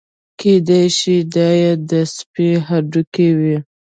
کېدای شي دا یې د سپي هډوکي وي.